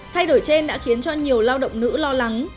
thay đổi trên đã khiến cho nhiều lao động nữ lo lắng